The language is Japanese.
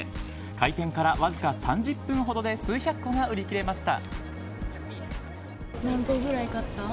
開店からわずか３０分ほどで数百個が売り切れました。